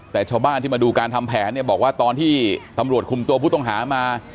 แต่ชาวบ้านที่มาดูการทำแผนเนี่ยบอกว่าตอนที่ตำรวจคุมตัวผู้ต้องหามา